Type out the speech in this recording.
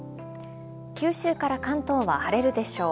九州から関東は晴れるでしょう。